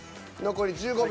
残り１５秒。